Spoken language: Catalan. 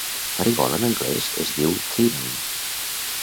Farigola en anglès es diu thyme.